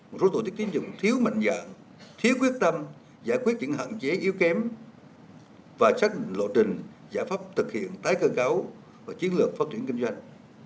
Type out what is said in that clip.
một số tổ chức tiến dụng thiếu mạnh dạng thiếu quyết tâm giải quyết những hạn chế yếu kém và xác định lộ trình giải pháp thực hiện tái cơ cáo và chiến lược phát triển kinh doanh